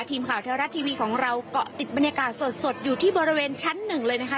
ทีมข่าวเทวรัฐทีวีของเราเกาะติดบรรยากาศสดอยู่ที่บริเวณชั้นหนึ่งเลยนะคะ